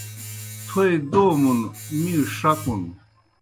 تھوئے دومُن، می ݜکُن